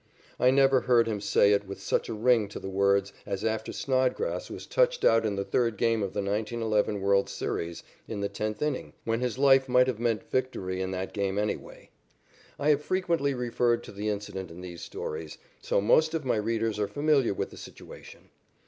I never heard him say it with such a ring to the words as after Snodgrass was touched out in the third game of the 1911 world's series, in the tenth inning, when his life might have meant victory in that game anyway. I have frequently referred to the incident in these stories, so most of my readers are familiar with the situation.